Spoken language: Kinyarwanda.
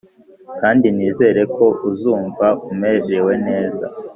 kandi nizere ko uzumva umerewe neza!